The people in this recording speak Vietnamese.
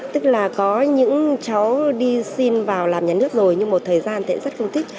tức là có những cháu đi xin vào làm nhà nước rồi nhưng một thời gian thì em rất không thích